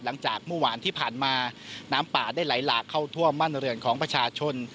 หลังจากเมื่อวานที่ผ่านมาน้ำป่าได้ไหลหลากเข้าท่วมบ้านเรือนของประชาชน